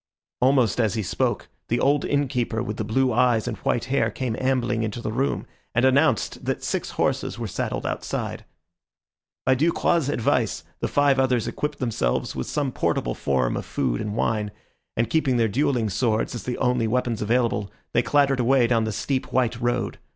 Almost as he spoke, the old innkeeper with the blue eyes and white hair came ambling into the room, and announced that six horses were saddled outside. By Ducroix's advice the five others equipped themselves with some portable form of food and wine, and keeping their duelling swords as the only weapons available, they clattered away down the steep, white road.